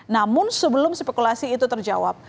namun sebelum spekulasi itu terjawab